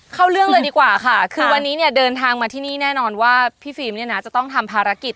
เข้าเรื่องเลยดีกว่าค่ะคือวันนี้เนี่ยเดินทางมาที่นี่แน่นอนว่าพี่ฟิล์มเนี่ยนะจะต้องทำภารกิจ